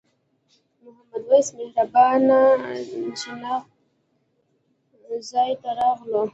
د محمد وېس مهربان شناخته ځای ته راغلو.